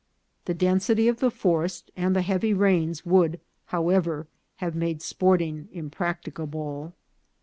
The density of the forest and the heavy rains would, how ever, have made sporting impracticable.